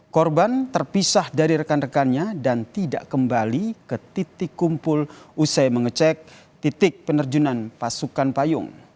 korban terpisah dari rekan rekannya dan tidak kembali ke titik kumpul usai mengecek titik penerjunan pasukan payung